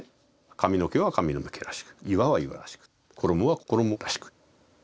髪の毛は髪の毛らしく岩は岩らしく衣は衣らしく。